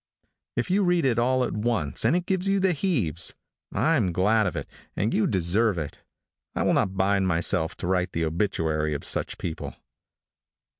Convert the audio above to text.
If you read it all at once, and it gives you the heaves, I am glad of it, and you deserve it. I will not bind myself to write the obituary of such people.